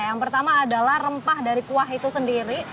yang pertama adalah rempah dari kuah itu sendiri